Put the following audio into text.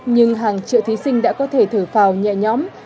nhưng hàng triệu thí sinh đã có thể thở vào nhẹ nhõm